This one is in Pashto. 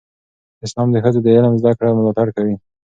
اسلام د ښځو د علم زده کړې ملاتړ کوي.